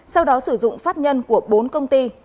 sau đó sử dụng pháp nhân của bốn công ty